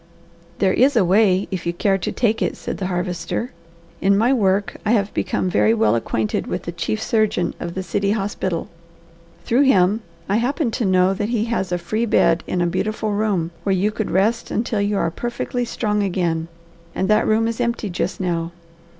"There is a way, if you care to take it," said the Harvester. "In my work I have become very well acquainted with the chief surgeon of the city hospital. Through him I happen to know that he has a free bed in a beautiful room, where you could rest until you are perfectly strong again, and that room is empty just now.